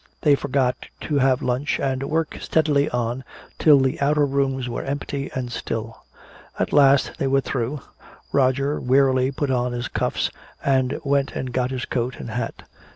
They forgot to have lunch and worked steadily on, till the outer rooms were empty and still. At last they were through. Roger wearily put on his cuffs, and went and got his coat and hat.